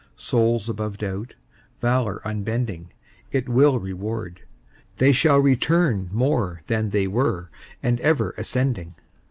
Souls above doubt, Valor unbending, It will reward, They shall return More than they were, And ever ascending.